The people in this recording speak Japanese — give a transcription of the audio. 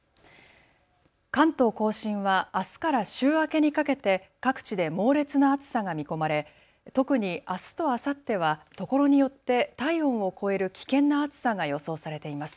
関東甲信はあすから週明けにかけて各地で猛烈な暑さが見込まれ特にあすとあさってはところによって体温を超える危険な暑さが予想されています。